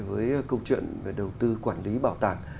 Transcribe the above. với câu chuyện về đầu tư quản lý bảo tàng